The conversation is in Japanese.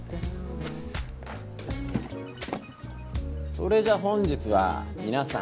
それじゃ本日はみなさん